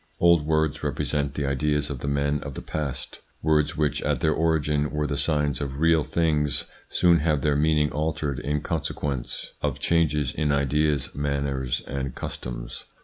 Old words represent the ideas of the men of the past. Words which at their origin were the signs of real things soon have their meaning altered in conse 94 THE PSYCHOLOGY OF PEOPLES: quence of changes in ideas, manners, and customs.